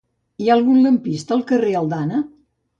Hi ha algun lampista al carrer d'Aldana?